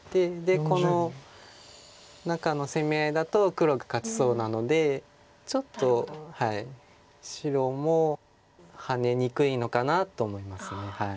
この中の攻め合いだと黒が勝ちそうなのでちょっと白もハネにくいのかなと思います。